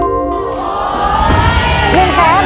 หนึ่งแคบ